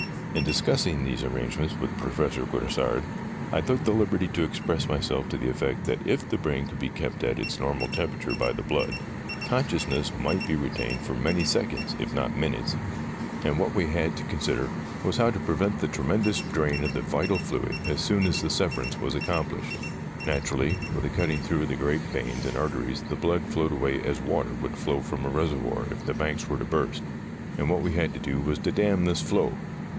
In discussing these arrangements with Professor Grassard I took the liberty to express myself to the effect that if the brain could be kept at its normal temperature by the blood, consciousness might be retained for many seconds if not minutes, and what we had 74 STORIES WEIRD AND WONDERFUL to consider was how to prevent the tremendous drain of the vital fluid as soon as the severance was accomplished. Naturally, with the cutting through of the great veins and arteries the blood flowed away as water would flow from a reservoir if the banks were to burst, and what we had to do was to dam this flow.